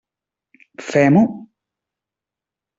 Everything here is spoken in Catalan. Fem-ho.